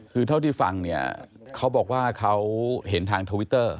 คือเท่าที่ฟังเนี่ยเขาบอกว่าเขาเห็นทางทวิตเตอร์